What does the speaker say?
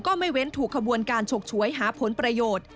ไม่เว้นถูกขบวนการฉกฉวยหาผลประโยชน์